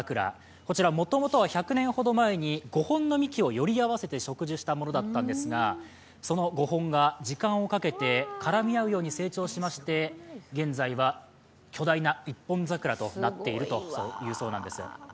こちらもともとは１００年ほど前に、５本の幹をより合わせて植樹したものだったんですが、その５本が時間をかけて絡み合うように成長しまして現在は巨大な一本桜となっているというそうなんです。